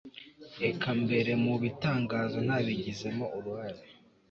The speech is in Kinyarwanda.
eka mbere mu bitangaza ntabigizemo uruhare